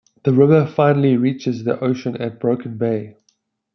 The river finally reaches the ocean at Broken Bay.